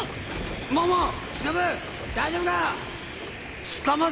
大丈夫か！？